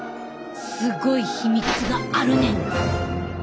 すごい秘密があるねん！